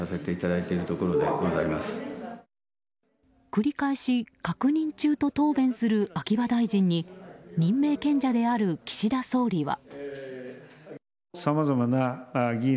繰り返し確認中と答弁する秋葉大臣に任命権者である岸田総理は。